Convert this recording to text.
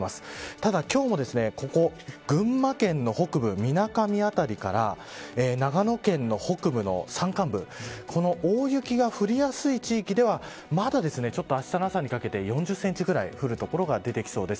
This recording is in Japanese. ただ今日もここ群馬県の北部みなかみ辺りから長野県の北部の山間部この大雪が降りやすい地域ではまだ、あしたの朝にかけて４０センチぐらい降る所が出てきそうです。